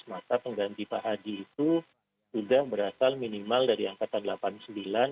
maka pengganti pak hadi itu sudah berasal minimal dari angkatan delapan puluh sembilan